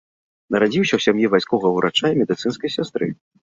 Нарадзіўся ў сям'і вайсковага ўрача і медыцынскай сястры.